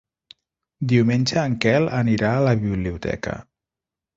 Diumenge en Quel anirà a la biblioteca.